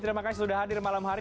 terima kasih sudah hadir malam hari